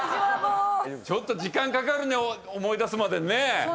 ちょっと時間かかるね思い出すまでにね。